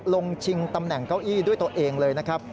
ชิงตำแหน่งเก้าอี้ด้วยตัวเองเลยนะครับ